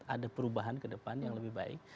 ada perubahan ke depan yang lebih baik